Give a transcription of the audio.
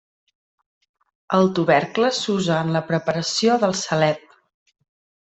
El tubercle s'usa en la preparació del salep.